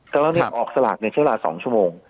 ก็เรามีออกสลากในเช่นเวลา๒ชั่วโมง